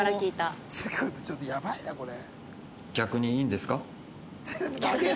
ちょっとやばいなこれ。